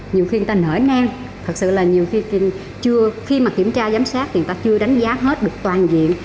nhiều khi người ta nở nem thật sự là nhiều khi khi mà kiểm tra giám sát người ta chưa đánh giá hết được toàn diện